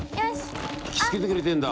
引き付けてくれてんだ。